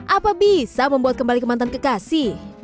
apa bisa membuat kembali ke mantan kekasih